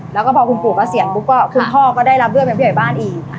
แล้วก็พอคุณปู่เกษียณปุ๊บก็คุณพ่อก็ได้รับเรื่องเป็นผู้ใหญ่บ้านอีก